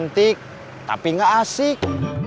tapi gak asik